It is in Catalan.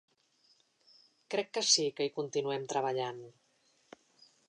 Crec que sí que hi continuem treballant.